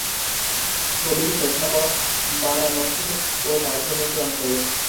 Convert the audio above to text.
ছবির প্রেক্ষাপট বারাণসী ও পার্শ্ববর্তী অঞ্চল।